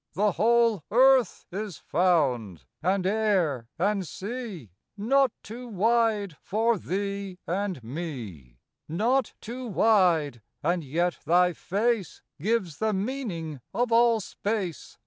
The whole Earth is found, and air and sea, Not too wide for thee and me. 8o FROM QUEENS' GARDENS. Not too wide, and yet thy face Gives the meaning of all space